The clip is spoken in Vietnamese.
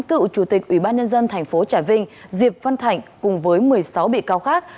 cựu chủ tịch ủy ban nhân dân tp trà vinh diệp văn thạnh cùng với một mươi sáu bị cáo khác